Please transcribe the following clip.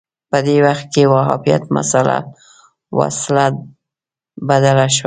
په دې وخت کې وهابیت مسأله وسله بدله شوه